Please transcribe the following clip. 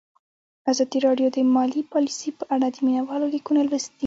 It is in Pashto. ازادي راډیو د مالي پالیسي په اړه د مینه والو لیکونه لوستي.